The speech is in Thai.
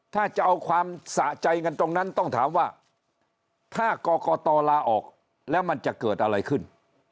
ถ้าจะเอาความสะใจกันตรงนั้นต้องถามว่าถ้ากรกตลาออกแล้วมันจะเกิดอะไรขึ้น